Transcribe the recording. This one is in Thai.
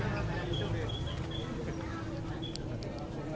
สวัสดีครับ